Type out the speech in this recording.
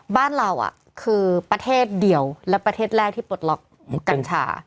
บ้านเราคือประเทศเดียวและประเทศแรกที่ปลดล็อกกัญชา